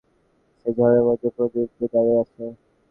সে ঝড়ের মধ্যে প্রদীপ নিয়ে দাঁড়িয়ে আছে।